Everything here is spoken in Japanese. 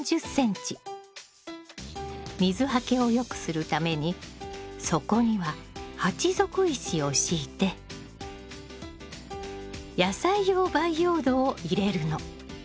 水はけを良くするために底には鉢底石を敷いて野菜用培養土を入れるの。